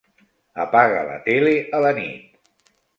Apaga la tele a la nit.